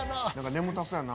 眠たそうやな。